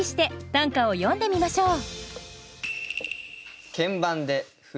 短歌を詠んでみましょう。